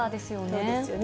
そうですよね。